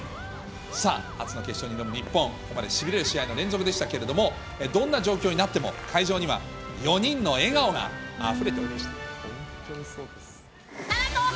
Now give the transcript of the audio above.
さあ、初の決勝に挑む日本、ここまでしびれる試合の連続でしたけれども、どんな状況になっても、会場には４人の笑顔があふれていました。